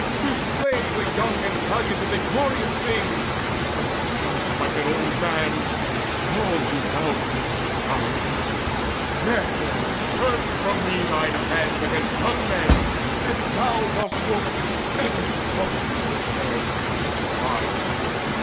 To slay The young and valiant is a glorious thing; But if thou smite an old man, small renown Waits on thy prowess. Therefore turn from me Thine hands against young men, if thou dost hope Ever to come to grey hairs such as mine."